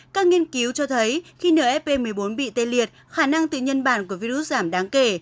các nghiên cứu cho thấy khi nfp một mươi bốn bị tê liệt khả năng tự nhân bản của virus giảm đáng kể